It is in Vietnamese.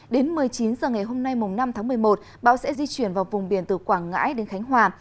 đến một mươi chín h ngày hôm nay năm tháng một mươi một bão sẽ di chuyển vào vùng biển từ quảng ngãi đến khánh hòa